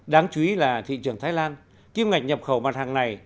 đáng chú ý là thị trường thái lan kim ngạch nhập khẩu mặt hàng này